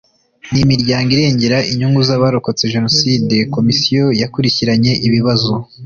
n imiryango irengera inyungu z abarokotse Jenoside Komisiyo yakurikiranye ibibazo